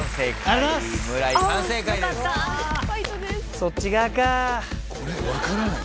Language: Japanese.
そっち側か。